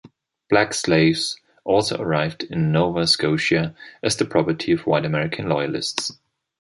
Black slaves also arrived in Nova Scotia as the property of White American Loyalists.